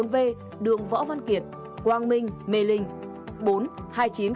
ba hai nghìn chín trăm linh bốn v đường võ văn kiệt quang minh mề linh